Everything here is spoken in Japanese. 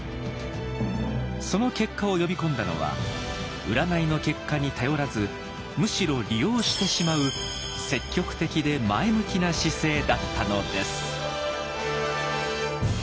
その結果を呼び込んだのは占いの結果に頼らずむしろ利用してしまう積極的で前向きな姿勢だったのです。